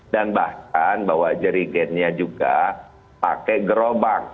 dan bahkan bawa jerigennya juga pakai gerobak